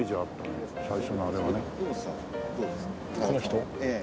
この人？